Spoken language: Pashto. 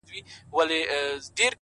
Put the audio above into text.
• چي د هرات غم ځپلو اوسېدونکو ته ,